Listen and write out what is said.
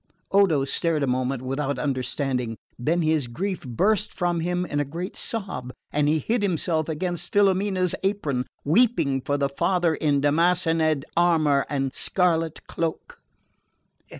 Odo stared a moment without understanding; then his grief burst from him in a great sob, and he hid himself against Filomena's apron, weeping for the father in damascened armour and scarlet cloak.